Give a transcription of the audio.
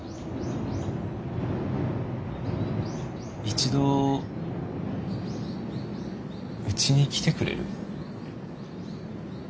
一度うちに来てくれる？